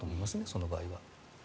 その場合は。